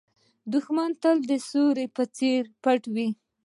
دښمن تل د سیوري په څېر پټ وي